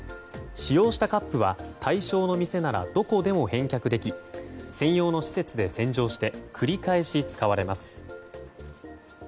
使用したカップは対象の店ならどこでも返却でき、専用の施設で洗浄して繰り返し使われます。